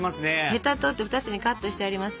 ヘタ取って２つにカットしてあります。